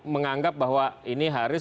menganggap bahwa ini haris